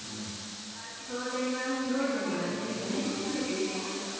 大谷は投打にわたり大活躍しています。